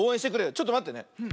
ちょっとまってね。